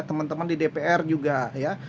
teman teman di dpr juga ya